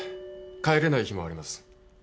帰れない日もあります。